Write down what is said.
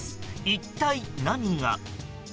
一体、何が？